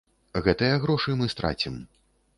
Гэтыя грошы мы страцім.